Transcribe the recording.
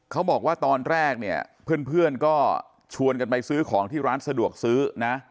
เขาบอกว่าตอนแรกเนี่ยเพื่อนก็ชวนกันไปซื้อของที่ร้านสะดวกซื้อนะ